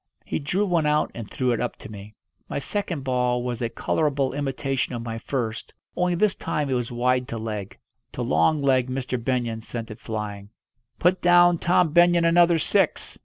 He drew one out and threw it up to me. My second ball was a colourable imitation of my first, only this time it was wide to leg. To long leg Mr. Benyon sent it flying. "Put down Tom Benyon another six!"